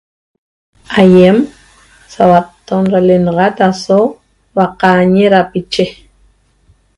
Aiem sauatton ra le'enaxat aso huaqaañe rapiche